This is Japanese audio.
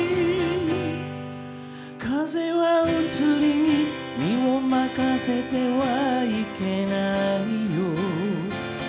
「風は移り気身を任せてはいけないよ」